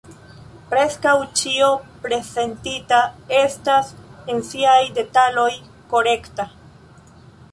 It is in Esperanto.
Preskaŭ ĉio prezentita estas en siaj detaloj korekta.